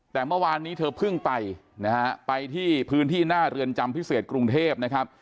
แต่เมื่อวานนี้เธอเพิ่งไปนะฮะไปที่พื้นที่หน้าเรือนจำพิเศษกรุงเทพนะครับ